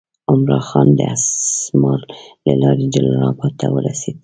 عمرا خان د اسمار له لارې جلال آباد ته ورسېد.